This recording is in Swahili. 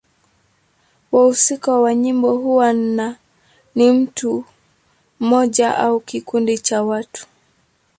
Wahusika wa nyimbo huwa ni mtu mmoja au kikundi cha watu.